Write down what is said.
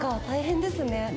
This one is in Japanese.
大変ですね。